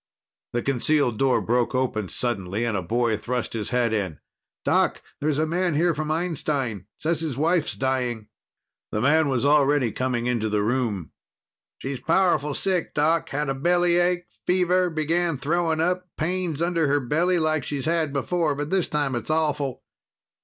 The concealed door broke open suddenly and a boy thrust his head in. "Doc, there's a man here from Einstein. Says his wife's dying." The man was already coming into the room. "She's powerful sick, Doc. Had a bellyache, fever, began throwing up. Pains under her belly, like she's had before. But this time it's awful."